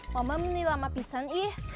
mama menelel sama pisan ih